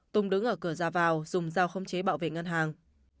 tung đứng ở cửa ra vào dùng dao không chế bảo vệ ngân hàng